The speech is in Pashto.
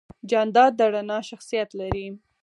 جانداد د رڼا شخصیت لري.